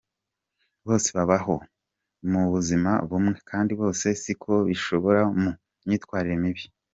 Bose babaho mu buzima bumwe kandi bose siko bishora mu myitwarire mibi.